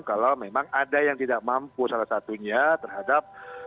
kalau memang ada yang tidak mampu salah satunya terhadap